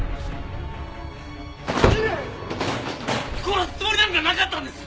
殺すつもりなんかなかったんです！